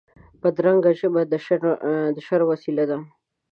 بدرنګه ژبه د شر وسیله ده